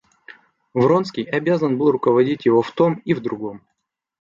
Вронский обязан был руководить его в том и в другом.